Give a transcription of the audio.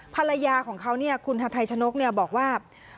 ภรรยาของเขาคุณฮาไทชนกบอกว่า